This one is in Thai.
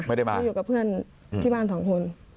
เขาอยู่กับเพื่อนที่บ้าน๒คน